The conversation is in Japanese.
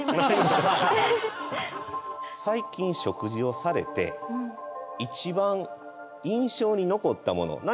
最近食事をされて一番印象に残ったもの